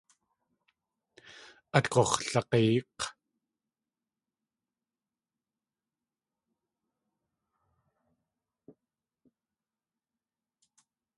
Át gux̲lag̲éek̲.